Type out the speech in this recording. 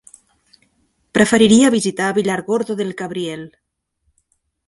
Preferiria visitar Villargordo del Cabriel.